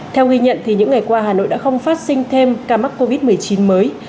theo ghi nhận những ngày qua hà nội đã không phát sinh thêm ca mắc covid một mươi chín mới